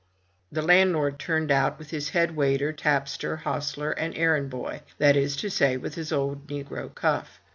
'* The landlord turned out with his head waiter, tapster, hostler, and errand boy — that is to say, with his old negro Cuff.